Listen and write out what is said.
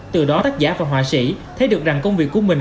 từ đó tác giả và họa sĩ thấy được rằng công việc của mình